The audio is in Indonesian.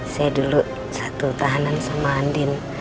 saya dulu satu tahanan sama andin